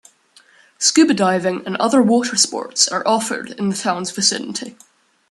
Scuba diving and other water sports are offered in the town's vicinity.